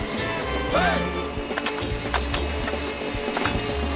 はい！